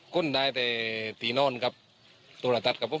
ขนได้แต่ตีนอนครับตัวละทัดครับผม